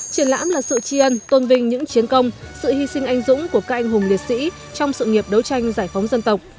triển lãm là sự chi ân tôn vinh những chiến công sự hy sinh anh dũng của các anh hùng liệt sĩ trong sự nghiệp đấu tranh giải phóng dân tộc